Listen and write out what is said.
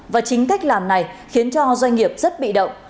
và chính cách làm này khiến cho doanh nghiệp rất bị động